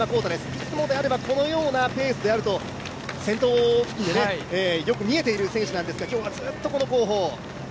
いつもであればこのようなぺーすであると先頭付近でよく見えている選手なんですが、ずっとこの後方。